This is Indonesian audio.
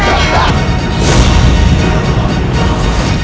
ketika kanda menang kanda menang